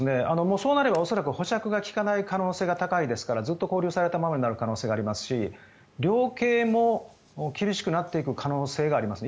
そうなれば恐らく保釈が効かない可能性が高いですからずっと勾留されたままになる可能性がありますし量刑も厳しくなっていく可能性がありますね。